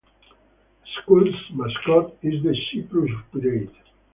The school's mascot is the Cyprus Pirate.